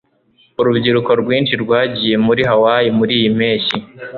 Urubyiruko rwinshi rwagiye muri Hawaii muriyi mpeshyi.